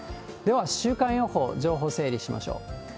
では週間予報、情報整理しましょう。